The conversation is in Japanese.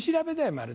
まるで。